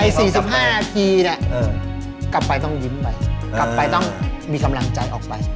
๔๕นาทีเนี่ยกลับไปต้องยิ้มไปกลับไปต้องมีกำลังใจออกไป